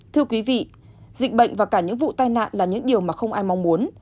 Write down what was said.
thưa quý vị dịch bệnh và cả những vụ tai nạn là những điều mà không ai mong muốn